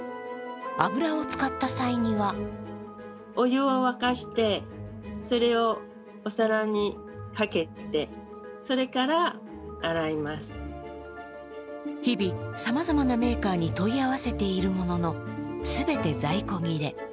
油を使った際には日々、さまざまなメーカーに問い合わせているものの全て在庫切れ。